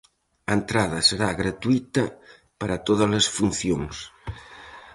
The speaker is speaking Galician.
A entrada será gratuíta para tódalas funcións.